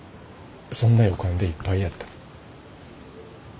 そんな予感でいっぱいやった。